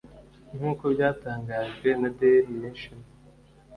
nk’uko byatangajwe na Daily Nation